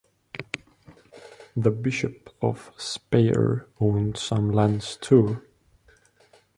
The bishops of Speyer owned some lands, too.